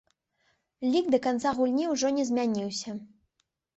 Лік да канца гульні ўжо не змяніўся.